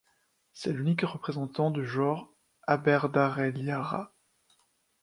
C'est l'unique représentant du genre Aberdareleria.